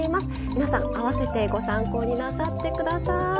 皆さん合わせてご参考になさって下さい。